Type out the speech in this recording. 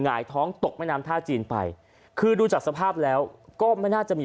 หายท้องตกแม่น้ำท่าจีนไปคือดูจากสภาพแล้วก็ไม่น่าจะมี